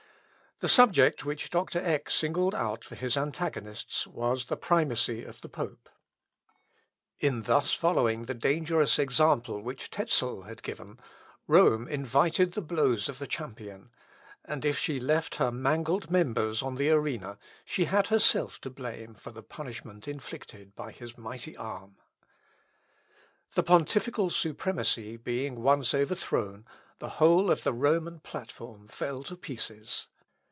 The subject which Dr. Eck singled out for his antagonists was the primacy of the pope. In thus following the dangerous example which Tezel had given, Rome invited the blows of the champion; and if she left her mangled members on the arena, she had herself to blame for the punishment inflicted by his mighty arm. 1st vol. p. 402 The pontifical supremacy being once overthrown, the whole of the Roman platform fell to pieces.